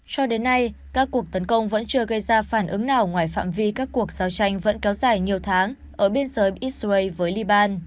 cho đến nay các cuộc tấn công vẫn chưa gây ra phản ứng nào ngoài phạm vi các cuộc giao tranh vẫn kéo dài nhiều tháng ở biên giới israel với liban